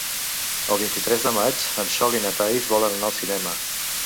El vint-i-tres de maig en Sol i na Thaís volen anar al cinema.